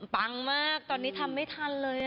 ปังมากตอนนี้ทำไม่ทันเลย